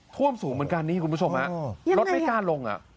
ท่วมสูงเหมือนกันนี้คุณผู้ชมน้ำน้ำไม่กล้าลง